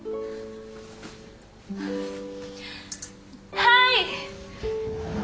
はい。